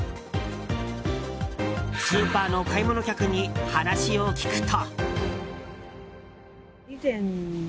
スーパーの買い物客に話を聞くと。